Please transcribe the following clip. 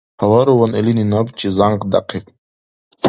Гьаларван илини набчи зянкъдяхъиб.